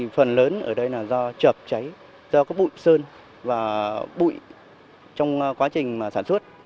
phần lớn ở đây là do chợp cháy do bụi sơn và bụi trong quá trình sản xuất